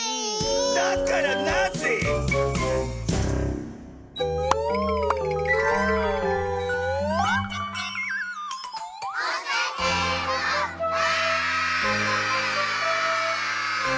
だからなぜ⁉わあ！